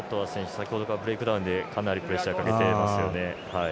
先ほどからブレイクダウンでかなりプレッシャーかけてますよね。